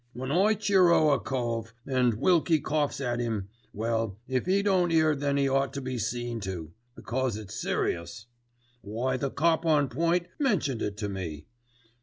"When I cheero a cove, an' Wilkie coughs at 'im, well if 'e don't 'ear then 'e ought to be seen to, because it's serious. Why the cop on point mentioned it to me.